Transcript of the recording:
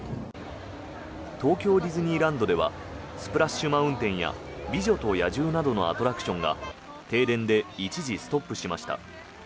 東京ディズニーランドではスプラッシュ・マウンテンや美女と野獣などのアトラクションが停電で一時ストップしました。